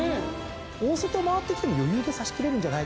大外を回ってきても余裕で差し切れるんじゃないでしょうかね。